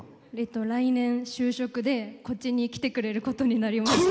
来年、就職でこっちに来てくれることになりました。